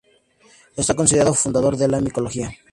Está considerado fundador de la micología.